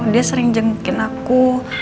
dia sering jengukin aku